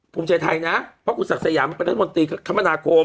ภูมิใจไทยนะเพราะคุณศักดิ์สยามมันเป็นรัฐมนตรีคมนาคม